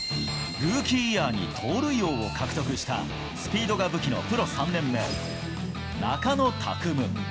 ルーキーイヤーに盗塁王を獲得した、スピードが武器のプロ３年目、中野拓夢。